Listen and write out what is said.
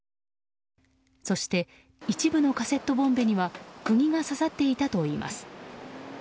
そして一部のカセットボンベには釘が刺さっていたといいます。